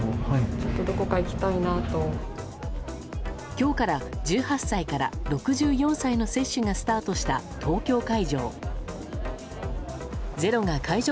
今日から１８歳から６４歳の接種がスタートした、東京会場。